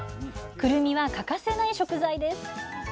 くるみは欠かせない食材です。